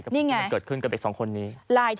กับสัญญาณได้แล้ว